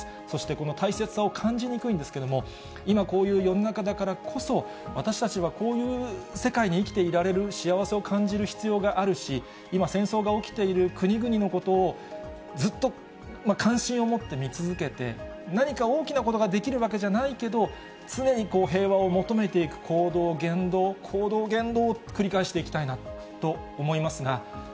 そしてこの大切さを感じにくいんですけど、今こういう世の中だからこそ、私たちはこういう世界に生きていられる幸せを感じる必要があるし、今、戦争が起きている国々のことをずっと関心を持って見続けて、何か大きなことができるわけじゃないけど、常に平和を求めていく行動、言動、行動、言動を繰り返していきたいなと思いますが。